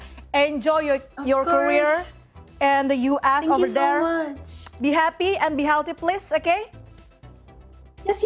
selamat menikmati karir anda di sana